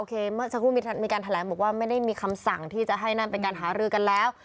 เมื่อสักครู่มีการแถลงบอกว่าไม่ได้มีคำสั่งที่จะให้นั่นเป็นการหารือกันแล้ว